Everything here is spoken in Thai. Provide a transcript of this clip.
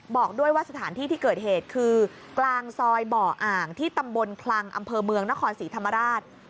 บอกด้วยว่าสถานที่ที่เกิดเหตุคือกลางซอยบ่ออ่างที่ตำบลคลังอำเภอเมืองนครศรีธรรมราช